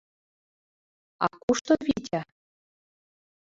— А кушто Витя?